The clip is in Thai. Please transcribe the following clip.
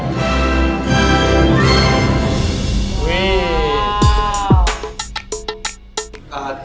โดยรอดพลังค่าแก่การแวะลบปัด